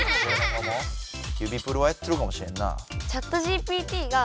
「指プル」はやってるかもしれんな。